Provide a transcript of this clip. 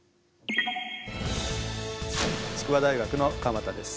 筑波大学の鎌田です。